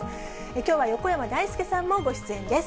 きょうは横山だいすけさんもご出演です。